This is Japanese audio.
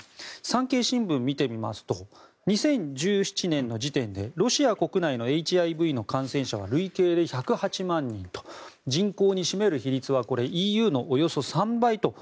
産経新聞を見てみますと２０１７年の時点でロシア国内のＨＩＶの感染者は累計で１０８万人と人口に占める比率はＥＵのおよそ３倍と。